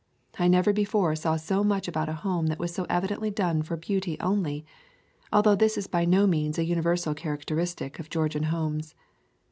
I never before saw so much about a home that was so evidently done for beauty only, although this is by no means a universal characteristic of Georgian homes.